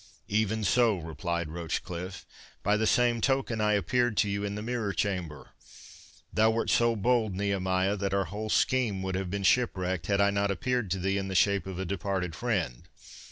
"Even so," replied Rochecliffe, "by the same token I appeared to you in the Mirror Chamber—Thou wert so bold, Nehemiah, that our whole scheme would have been shipwrecked, had I not appeared to thee in the shape of a departed friend.